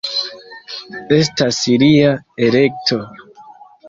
Estas lia elekto.